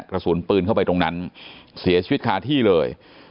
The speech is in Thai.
กระสุนปืนเข้าไปตรงนั้นเสียชีวิตคาที่เลย